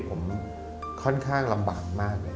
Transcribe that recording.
ผมค่อนข้างลำบากมากเลย